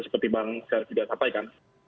seperti bang syarif juga sampaikan